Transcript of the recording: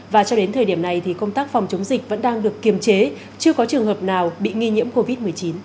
và cho đến thời điểm này thì công tác phòng chống dịch vẫn đang được kiềm chế chưa có trường hợp nào bị nghi nhiễm covid một mươi chín